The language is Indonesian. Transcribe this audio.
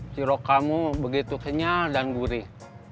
cirok kamu begitu kenyal dan gurih